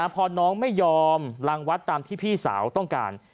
พอน้องไม่ยอมรังวัดตามที่พี่สาวต้องการ